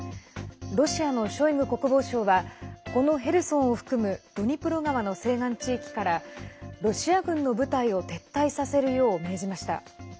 ロシアのショイグ国防相はこのヘルソンを含むドニプロ川の西岸地域からロシア軍の部隊を撤退させるよう命じました。